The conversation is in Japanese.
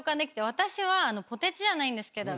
私はポテチじゃないんですけど。